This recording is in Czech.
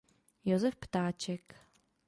Josef Ptáček.